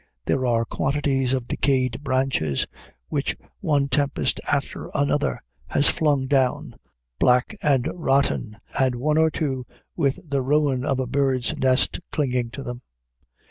There are quantities of decayed branches which one tempest after another has flung down, black and rotten, and one or two with the ruin of a bird's nest clinging to them.